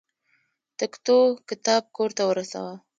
تکتو کتاب کور ته ورسه.